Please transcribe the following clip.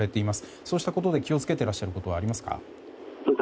そうしたことで気を付けてらっしゃることはありますか？